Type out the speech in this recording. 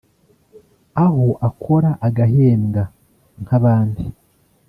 aho akora agahembwa nk’abandi